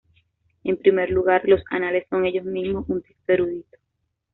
En primer lugar, los anales son ellos mismos un texto erudito.